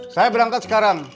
saya berangkat sekarang